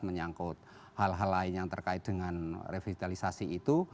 menyangkut hal hal lain yang terkait dengan revitalisasi itu